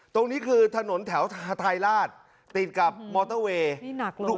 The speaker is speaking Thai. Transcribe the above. ตรงนี้คือถนนแถวฮาทายราชติดกับมอเตอร์เวย์นี่หนักเลย